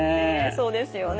そうですよね。